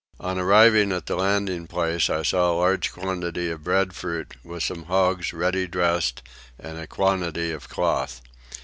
On arriving at the landing place I saw a large quantity of breadfruit with some hogs ready dressed and a quantity of cloth.